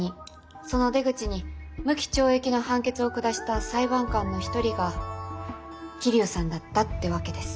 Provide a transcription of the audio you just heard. その出口に無期懲役の判決を下した裁判官の一人が桐生さんだったってわけです。